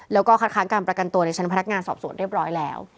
แล้วก็คัดค้างการประกันตัวในชั้นพนักงานสอบสวนเรียบร้อยแล้ว